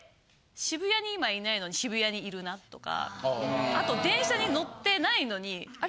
渋谷に今いないのに渋谷にいるなとかあと電車に乗ってないのにあれ？